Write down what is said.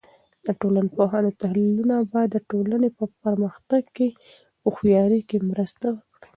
د ټولنپوهانو تحلیلونه به د ټولنې په پرمختګ کې هوښیارۍ کې مرسته وکړي.